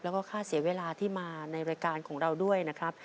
แล้วก็ค่าเสียเวลาที่มาในรายการของเราด้วยนะครับ